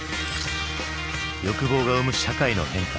欲望が生む社会の変化。